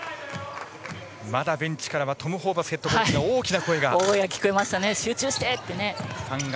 またベンチからはトム・ホーバスヘッドコーチから大きな声が。